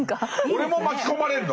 俺も巻き込まれるの？